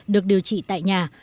được điều trị tại nhà